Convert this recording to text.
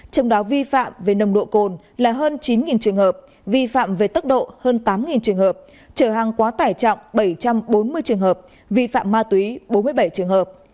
trong đó vi phạm về nồng độ cồn là hơn chín trường hợp vi phạm về tốc độ hơn tám trường hợp trở hàng quá tải trọng bảy trăm bốn mươi trường hợp vi phạm ma túy bốn mươi bảy trường hợp